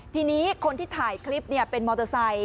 ทีนี้คนที่ถ่ายคลิปเป็นมอเตอร์ไซค